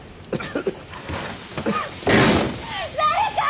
誰か！